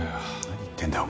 何言ってんだよ